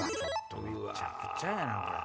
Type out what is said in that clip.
めちゃくちゃやなこれ。